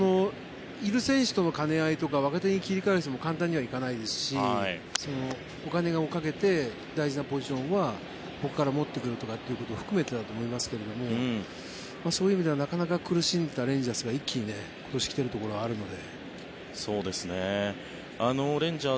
いる選手との兼ね合いとか若手に対しても簡単にはいかないですしお金をかけて大事なポジションはここから持ってくるとかってことを含めてだと思いますけどそういう意味ではなかなか苦しんでいたレンジャーズが一気に今年来ているところがあるので。